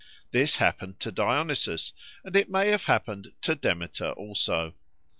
This happened to Dionysus, and it may have happened to Demeter also.